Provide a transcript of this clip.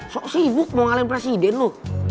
sok sibuk mau ngalahin presiden lo